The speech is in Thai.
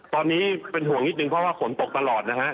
ตอนนี้เป็นห่วงนิดนึงเพราะว่าฝนตกตลอดนะฮะ